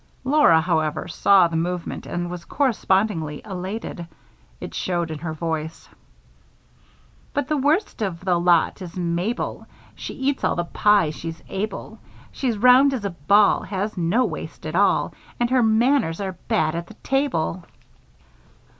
Laura, however, saw the movement and was correspondingly elated. It showed in her voice: But the worst of the lot is Mabel, She eats all the pie she's able. She's round as a ball, Has no waist at all, And her manners are bad at the table.